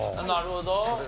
なるほど。